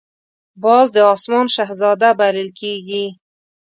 باز د آسمان شهزاده بلل کېږي